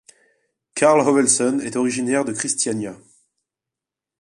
Karl Hovelsen est originaire de Kristiania.